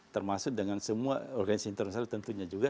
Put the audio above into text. termasuk dengan semua organisasi internasional tentunya juga